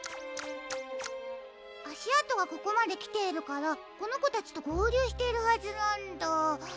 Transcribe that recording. あしあとはここまできているからこのこたちとごうりゅうしているはずなんだ。